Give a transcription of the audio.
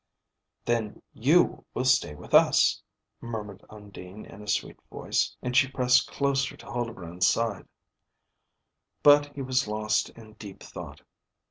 "Then you will stay with us!" murmured Undine in a sweet voice, and she pressed closer to Huldbrand's side. But he was lost in deep thought.